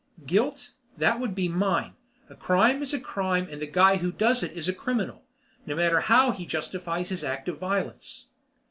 Guilt? That would be mine. A crime is a crime and the guy who does it is a criminal, no matter how he justifies his act of violence.